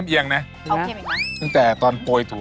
เอาเคี่ยงอีกแล้ววิฟตร์นะคะอเรนนี่นึงแต่ต่อปล่อยถั่ว